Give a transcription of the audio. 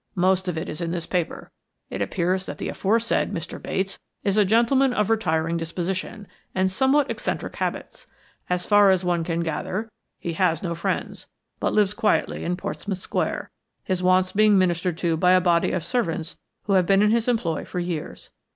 "Most of it is in this paper. It appears that the aforesaid Mr. Bates is a gentleman of retiring disposition, and somewhat eccentric habits. As far as one can gather, he has no friends, but lives quietly in Portsmouth Square, his wants being ministered to by a body of servants who have been in his employ for years.